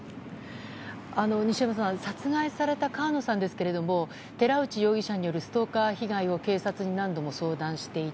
西山さん、殺害された川野さんですけれども寺内容疑者によるストーカー被害を警察に何度も相談していた。